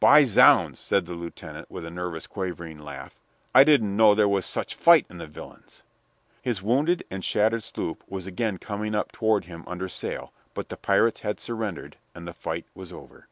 "By zounds!" said the lieutenant, with a nervous, quavering laugh, "I didn't know there was such fight in the villains." His wounded and shattered sloop was again coming up toward him under sail, but the pirates had surrendered, and the fight was over.